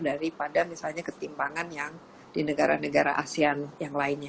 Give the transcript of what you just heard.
daripada misalnya ketimpangan yang di negara negara asean yang lainnya